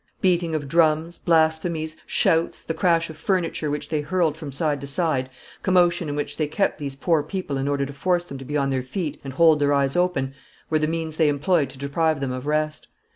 Beating of drums, blasphemies, shouts, the crash of furniture which they hurled from side to side, commotion in which they kept these poor people in order to force them to be on their feet and hold their eyes open, were the means they employed to deprive them of rest.